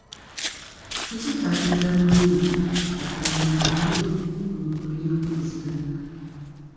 Tukikkaatiriza lunye nti okuwandiika gumu ku mikutu gy'empuliziganya.